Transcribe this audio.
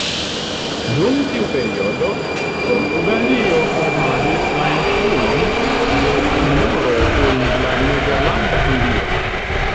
Dum tiu periodo, Portugalio kunhavis la insulon de Timoro kun la Nederlanda Hindio.